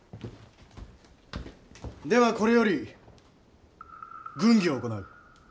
ではこれより軍議を行う。